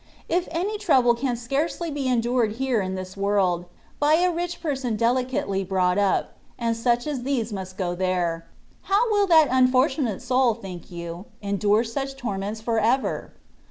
If any trouble can scarcely be endured here in this ^ world, by a rich person delicately brought up (and such as these must go there), how wiU that unfortunate soul, think you, endure such torments for ever?